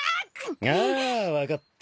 ああ分かった。